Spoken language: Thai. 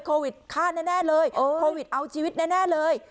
โควิดฆ่าแน่เลยโควิดเอาชีวิตแน่เลย